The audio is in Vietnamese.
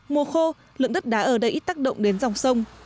mùa khô lượng đất đá ở đây ít tác động đến dòng sông